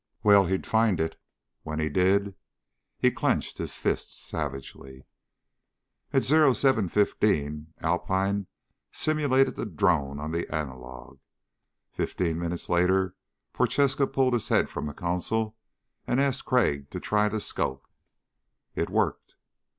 Well, he'd find it. When he did ... He clenched his fists savagely. At 0715 Alpine simulated the drone on the analog. Fifteen minutes later Prochaska pulled his head from the console and asked Crag to try the scope. It worked.